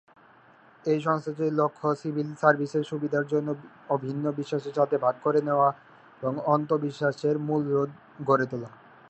এই সংস্থাটির লক্ষ্য সিভিল সার্ভিসের সুবিধার জন্য অভিন্ন বিশ্বাসের সাথে ভাগ করে নেওয়া আন্তঃ-বিশ্বাসের মূল্যবোধ গড়ে তোলা।